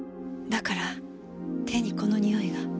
だから手にこのにおいが。